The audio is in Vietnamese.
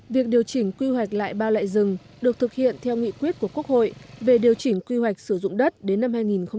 việc điều chỉnh quy hoạch lại ba loại rừng được thực hiện theo nghị quyết của quốc hội về điều chỉnh quy hoạch sử dụng đất đến năm hai nghìn ba mươi